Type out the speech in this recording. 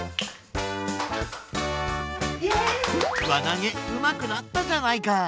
わなげうまくなったじゃないか！